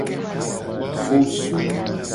Fosu.